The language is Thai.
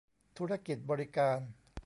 ธุรกิจบริการ